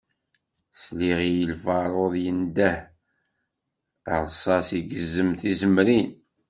Sliɣ i lbarud yendeh, rsas igezzem tizemrin.